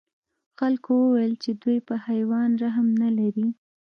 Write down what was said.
خلکو وویل چې دوی په حیوان رحم نه لري.